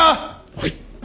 はい！